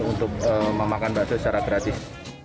untuk memakan bakso secara gratis